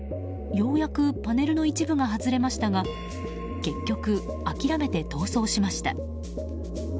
ようやくパネルの一部が外れましたが結局、諦めて逃走しました。